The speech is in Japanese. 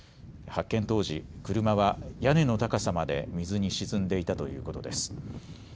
発見当時、車は屋根の高さまで水に沈んでいたということです。